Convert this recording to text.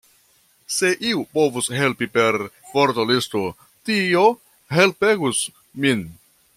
Se iu povus helpi per vortolisto, tio helpegus min!